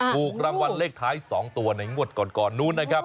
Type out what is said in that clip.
ถูกรางวัลเลขท้าย๒ตัวในงวดก่อนนู้นนะครับ